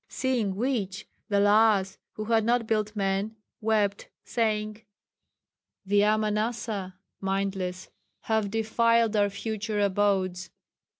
"Seeing which the Lhas who had not built men, wept, saying. 'The Amanasa [mindless] have defiled our future abodes.